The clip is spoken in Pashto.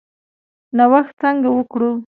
نوښت څنګه وکړو؟